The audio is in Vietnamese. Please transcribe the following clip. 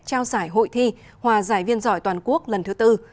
trao giải hội thi hòa giải viên giỏi toàn quốc lần thứ tư